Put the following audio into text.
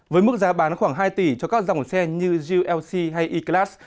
với mức giá bán khoảng hai tỷ cho các dòng xe như glc hay e class